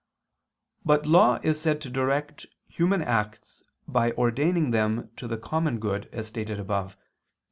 But law is said to direct human acts by ordaining them to the common good, as stated above (Q.